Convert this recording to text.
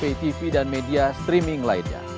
paytv dan media streaming lainnya